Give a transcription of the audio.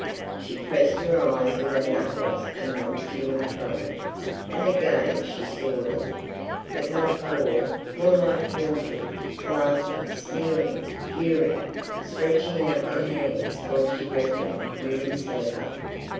She pressed her eyes with her knuckles and rocked to and fro. And again she saw them, but not four, more like forty, laughing, sneering, jeering, stretching out their hands while she read them William's letter.